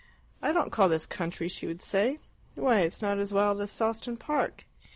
"I don't call this country," she would say. "Why, it's not as wild as Sawston Park!"